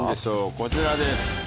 こちらです。